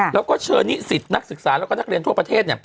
แล้วก็เชิญนิสิตนักศึกษาแล้วก็นักเรียนทั่วประเทศ